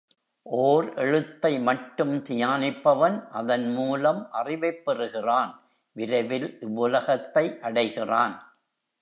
ஓர் எழுத்தை மட்டும் தியானிப்பவன், அதன் மூலம் அறிவைப் பெறுகிறான் விரைவில் இவ்வுலகத்தை அடைகிறான்.